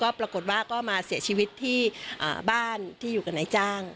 ปรากฏว่าก็มาเสียชีวิตที่บ้านที่อยู่กับนายจ้าง